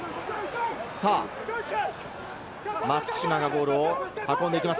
松島がボールを運んできます。